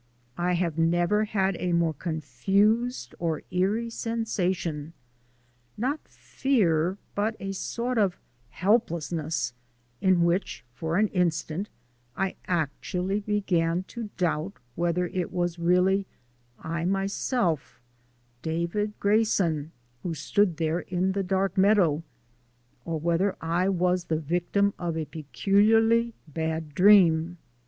I have never had a more confused or eerie sensation; not fear, but a sort of helplessness in which for an instant I actually began to doubt whether it was I myself, David Grayson, who stood there in the dark meadow, or whether I was the victim of a peculiarly bad dream.